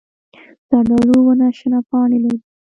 زردالو ونه شنه پاڼې لري.